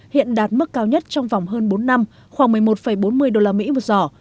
hiện đạt mức cao nhất trong vòng hơn bốn năm khoảng một mươi một bốn mươi usd một giỏ